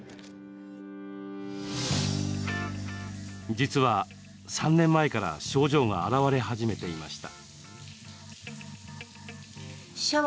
実は、３年前から症状が現れ始めていました。